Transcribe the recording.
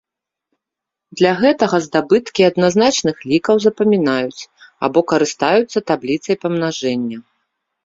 Для гэтага здабыткі адназначных лікаў запамінаюць або карыстаюцца табліцай памнажэння.